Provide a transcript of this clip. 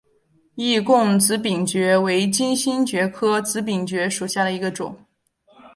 易贡紫柄蕨为金星蕨科紫柄蕨属下的一个种。